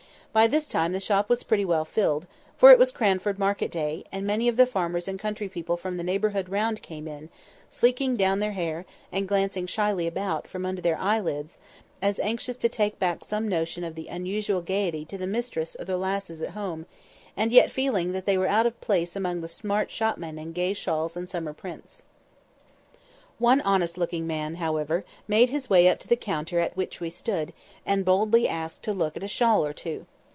By this time the shop was pretty well filled, for it was Cranford market day, and many of the farmers and country people from the neighbourhood round came in, sleeking down their hair, and glancing shyly about, from under their eyelids, as anxious to take back some notion of the unusual gaiety to the mistress or the lasses at home, and yet feeling that they were out of place among the smart shopmen and gay shawls and summer prints. One honest looking man, however, made his way up to the counter at which we stood, and boldly asked to look at a shawl or two.